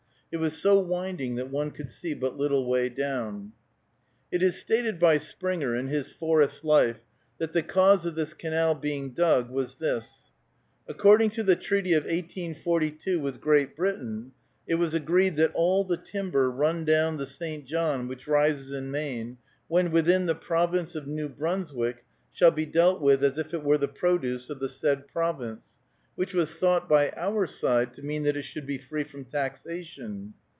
It was so winding that one could see but little way down. It is stated by Springer, in his "Forest Life," that the cause of this canal being dug was this: according to the treaty of 1842 with Great Britain, it was agreed that all the timber run down the St. John, which rises in Maine, "when within the Province of New Brunswick ... shall be dealt with as if it were the produce of the said Province," which was thought by our side to mean that it should be free from taxation.